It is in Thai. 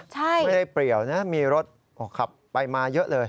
ไม่ได้เปรียวนะมีรถขับไปมาเยอะเลย